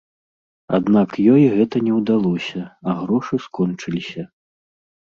Аднак ёй гэта не ўдалося, а грошы скончыліся.